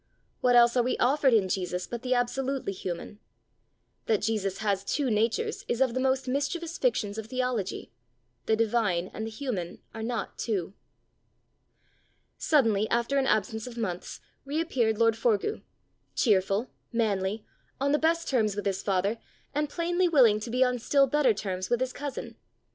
what else are we offered in Jesus but the absolutely human? That Jesus has two natures is of the most mischievous fictions of theology. The divine and the human are not two. Suddenly, after an absence of months, reappeared lord Forgue cheerful, manly, on the best terms with his father, and plainly willing to be on still better terms with his cousin!